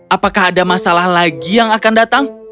apakah ada masalah lagi yang akan datang